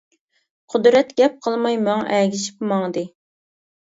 قۇدرەت گەپ قىلماي ماڭا ئەگىشىپ ماڭدى.